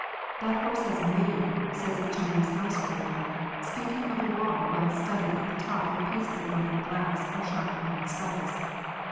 That horse has a mane, says the Chinese housebreaker, speaking of a wall well studded at the top with pieces of broken glass or sharp iron spikes.